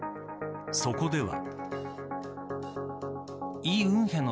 そこでは。